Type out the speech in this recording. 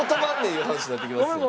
いう話になってきますよ。